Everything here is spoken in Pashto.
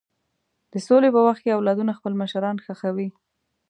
د سولې په وخت کې اولادونه خپل مشران ښخوي.